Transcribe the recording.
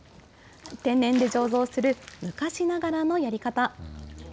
天然で醸造する昔ながらのやり方。